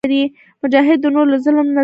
مجاهد د نورو له ظلم نه ځان ساتي.